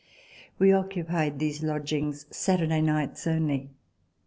We occupied these lodgings Saturday nights only.